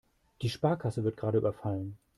Die Sparkasse wird gerade überfallen.